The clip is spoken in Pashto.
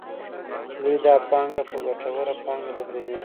دوی دا پانګه په ګټوره پانګه بدلوي